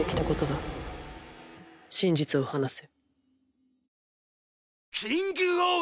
真実を話せ。